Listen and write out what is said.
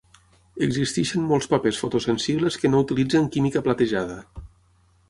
Existeixen molts papers fotosensibles que no utilitzen química platejada.